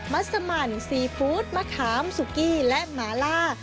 ัสมันซีฟู้ดมะขามสุกี้และหมาล่า